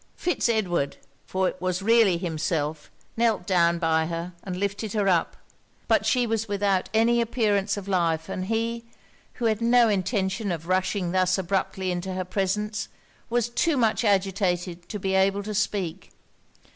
Fitz Edward, for it was really himself, knelt down by her, and lifted her up. But she was without any appearance of life; and he, who had no intention of rushing thus abruptly into her presence, was too much agitated to be able to speak.